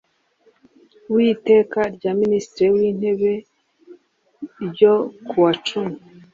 w iteka rya minisitiri w intebe n ryo kuwa cumi